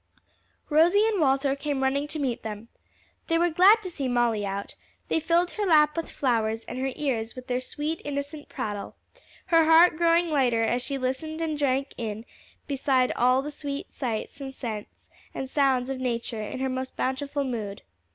Rosie and Walter came running to meet them. They were glad to see Molly out: they filled her lap with flowers and her ears with their sweet innocent prattle, her heart growing lighter as she listened and drank in beside all the sweet sights and scents and sounds of nature in her most bountiful mood.